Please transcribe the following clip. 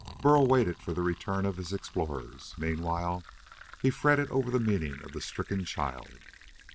Burl waited for the return of his explorers. Meanwhile he fretted over the meaning of the stricken child.